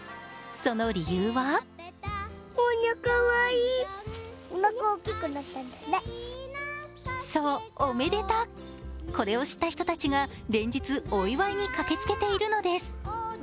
その理由はそう、おめでたこれを知った人たちが連日、お祝いに駆けつけているのです。